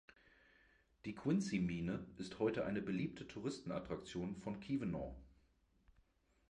Die Quincy Mine ist heute eine beliebte Touristenattraktion von Keweenaw.